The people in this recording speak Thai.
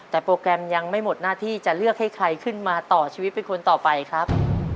แต่โปรแกรมยังไม่หมดหน้าที่จะเลือกให้ใครขึ้นมาต่อชีวิตเป็นคนต่อไปครับ